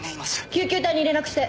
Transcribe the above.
救急隊に連絡して！